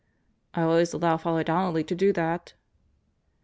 "I always allow Father Donnelly to do that.